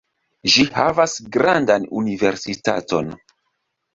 Ĝi havas grandan universitaton.